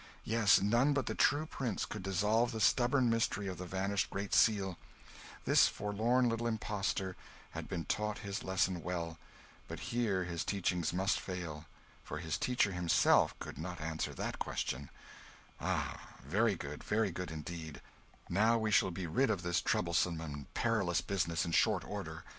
Yes, none but the true prince could dissolve the stubborn mystery of the vanished Great Seal this forlorn little impostor had been taught his lesson well, but here his teachings must fail, for his teacher himself could not answer that question ah, very good, very good indeed; now we shall be rid of this troublesome and perilous business in short order!